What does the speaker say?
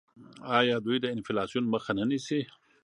آیا دوی د انفلاسیون مخه نه نیسي؟